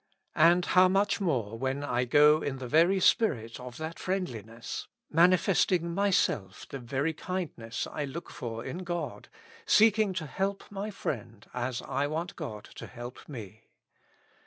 And how much more when I go in the very spirit of that friendliness, manifesting myself the very kindness I look for in God, seeking to help my friend as I want God to help me.